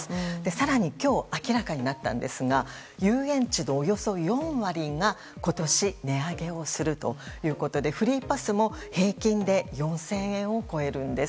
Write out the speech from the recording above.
更に今日明らかになったんですが遊園地のおよそ４割が今年、値上げをするということでフリーパスも平均で４０００円を超えるんです。